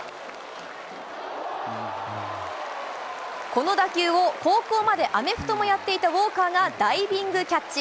この打球を高校までアメフトもやっていたウォーカーがダイビングキャッチ。